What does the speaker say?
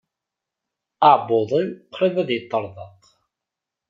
Aɛebbuḍ-iw qrib ad yeṭṭerḍeq.